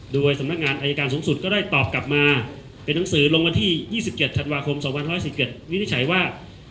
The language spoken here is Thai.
โดยสำนักงานอายการสูงสุดก็ได้ตอบกลับมาเป็นหนังสือลงวันที่๒๗ธันวาคม๒๑๑วินิจฉัยว่า